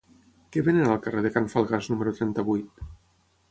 Què venen al carrer de Can Falgàs número trenta-vuit?